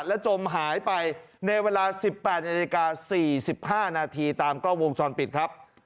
และจมหายไปในเวลา๑๘นาฬิกา๔๕นาทีตามกล้องวงจรปิดครับ